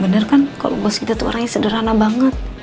bener kan kalo bos kita tuh orangnya sederhana banget